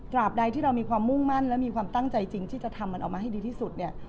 บใดที่เรามีความมุ่งมั่นและมีความตั้งใจจริงที่จะทำมันออกมาให้ดีที่สุดเนี่ย